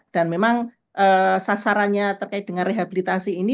dan memang sasarannya terkait dengan rehabilitasi ini